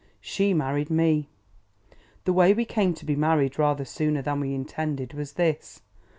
She married me. The way we came to be married rather sooner than we intended, was this.